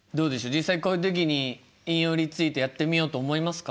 実際こういう時に引用リツイートやってみようと思いますか？